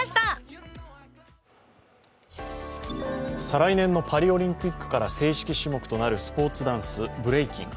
再来年のパリオリンピックから正式種目となるスポーツダンス、ブレイキン。